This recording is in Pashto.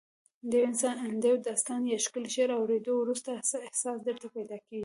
د یو داستان یا ښکلي شعر اوریدو وروسته څه احساس درته پیدا کیږي؟